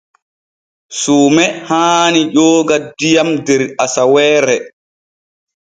Suume haani jooga diyam der asaweere.